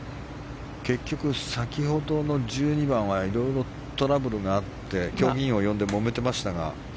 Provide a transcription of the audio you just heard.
結局、先ほどの１２番はいろいろトラブルがあって競技委員を呼んでもめていましたが。